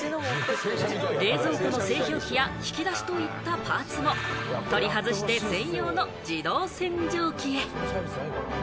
冷蔵庫の製氷機や引き出しといったパーツも取り外して専用の自動洗浄機へ。